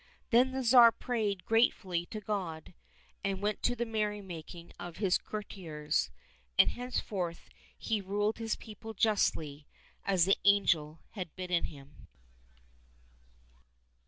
Then the Tsar prayed gratefully to God, and went to the merry making of his courtiers, and henceforth he ruled his people justly, as the angel had bidden him.